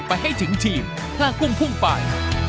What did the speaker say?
ไปให้ถึงทีมพระกุ้งพุ่งป่าย